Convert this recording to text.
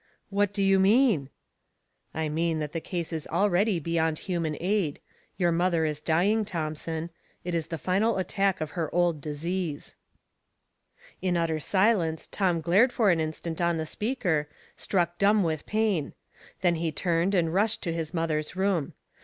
" What do you mean ?"" I mean that the case is already beyond human aid ; your mother is dying, Thomson. It is the final attack of her old disease." 78 Household Puzzles, In utter silence, Tom glared for an instant on the speaker, struck dumb with pain ; then he turned and rushed to his mother's room.